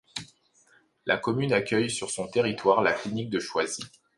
La commune accueille sur son territoire la clinique de Choisy.